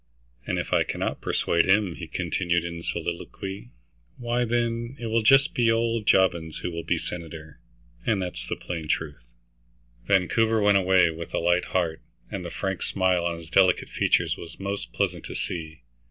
"And if I cannot persuade him," he continued in soliloquy, "why, then, it will just be old Jobbins who will be senator, and that's the plain truth." Vancouver went away with a light heart, and the frank smile on his delicate features was most pleasant to see.